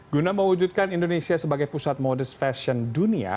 guna mewujudkan indonesia sebagai pusat modus fashion dunia